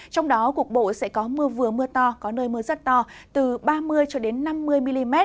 trong đó cuộc bộ sẽ có mưa vừa mưa to có nơi mưa rất to từ ba mươi năm mươi mm